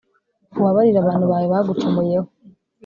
ubabarire abantu bawe bagucumuyeho